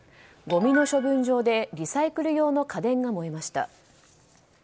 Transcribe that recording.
ごみの処分場でリサイクル用の家電が燃えました。